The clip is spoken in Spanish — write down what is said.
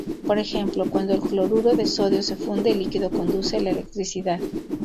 Por ejemplo, cuando el cloruro de sodio se funde, el líquido conduce la electricidad.